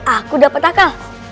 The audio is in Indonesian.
aku dapat akal